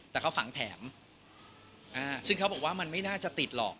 แต่เขาฝังแถมอ่าซึ่งเขาบอกว่ามันไม่น่าจะติดหรอก